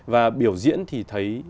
và biểu diễn thì thấy